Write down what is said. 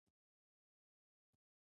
ښار پاک ساتئ